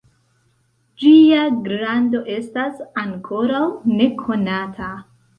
Ĝia grando estas ankoraŭ nekonata.